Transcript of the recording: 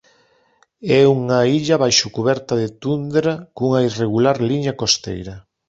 É unha illa baixa cuberta de tundra cunha irregular liña costeira.